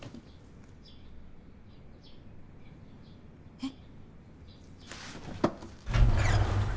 えっ？